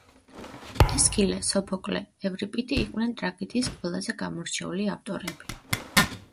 ესქილე, სოფოკლე, ევრიპიდე იყვნენ ტრაგედიის ყველაზე გამორჩეული ავტორები.